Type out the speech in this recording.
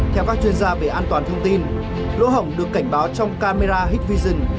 theo các chuyên gia về an toàn thông tin lỗ hổng được cảnh báo trong camera hitvision